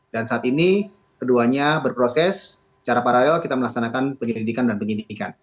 dan saat ini keduanya berproses secara paralel kita melaksanakan penyelidikan dan penyelidikan